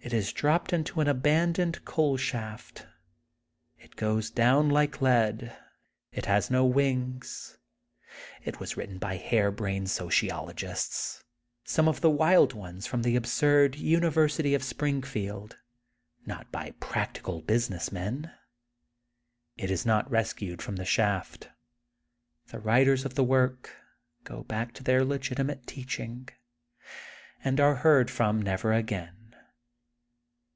It is dropped into an abandoned coal shaft. It goes down like lead. It has no wings. It was written by hair brained sociologists, some of the wild ones from the absurd University of Springfield, not by practical business men. It is not rescued from the shaft. The writ 48 THE GOLDEN BOOK OF SPRINGFIELD ers of the work go back to their legitimate teaching, and are heard from never again.